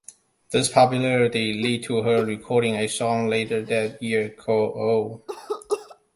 This popularity led to her recording a song later that year called Oh!